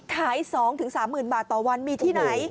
ขาย๒๓๐๐๐บาทต่อวันมีที่ไหน